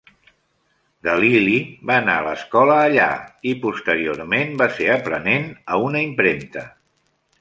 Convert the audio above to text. Galili va anar a l'escola allà i, posteriorment, va ser aprenent a una impremta.